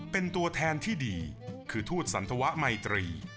เป็นตัวแทนที่ดีคือทูตสันธวะไมตรี